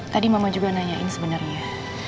tadi mama juga nanyain sebenarnya